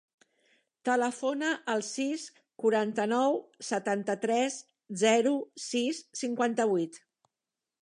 Telefona al sis, quaranta-nou, setanta-tres, zero, sis, cinquanta-vuit.